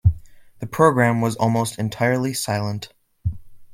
The programme was almost entirely silent.